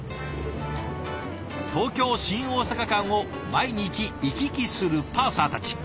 東京・新大阪間を毎日行き来するパーサーたち。